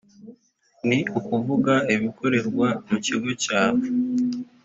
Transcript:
ni ukuvuga ibikorerwa mu kigo cyawe